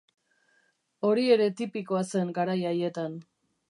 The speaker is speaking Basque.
Hori ere tipikoa zen garai haietan.